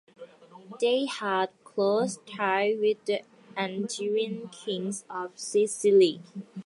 They had close ties with the Angevin kings of Sicily.